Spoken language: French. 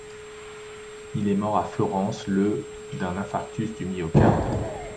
Il est mort à Florence le d'un infarctus du myocarde.